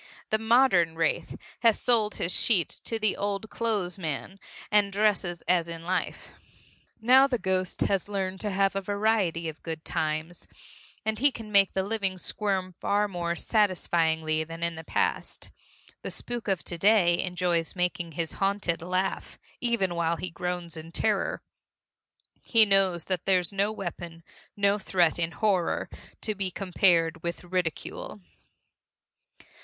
The modern wraith has sold his sheet to the old clo'es man, and dresses as in life. Now the ghost has learned to have a variety of good times, and he can make the living squirm far more satisfyingly than in the past. The spook of to day enjoys making his haunted laugh even while he groans in terror. He knows that there's no weapon, no threat, in horror, to be compared with ridicule.